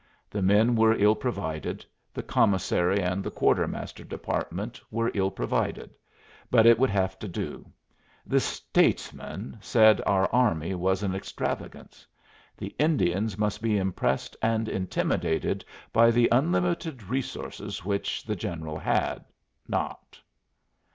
The men were ill provided, the commissary and the quartermaster department were ill provided; but it would have to do; the "statesmen" said our army was an extravagance. The Indians must be impressed and intimidated by the unlimited resources which the General had not.